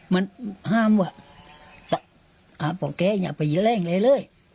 มันห้ามว่ะหาพ่อแก่ยังไปเร่งเรื่อย